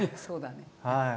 そうだね。